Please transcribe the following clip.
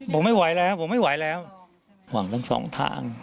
ผมไม่ไหวแล้วขวังก็สองทาง